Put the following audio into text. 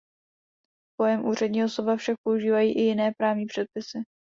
Pojem úřední osoba však používají i jiné právní předpisy.